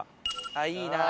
あっいいな。